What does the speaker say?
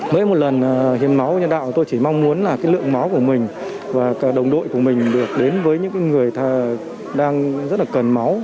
với một lần hiến máu nhân đạo tôi chỉ mong muốn là cái lượng máu của mình và đồng đội của mình được đến với những người đang rất là cần máu